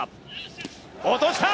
落とした！